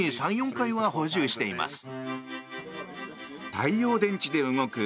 太陽電池で動く